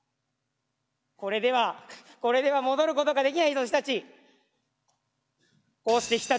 これではこれでは戻ることができないぞ常陸。